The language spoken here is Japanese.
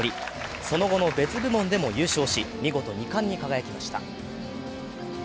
その後の別部門でも優勝し、見事２冠に輝きました。